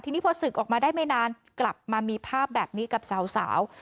ทีนี้พอศึกออกมาได้ไม่นานกลับมามีภาพแบบนี้กับสาว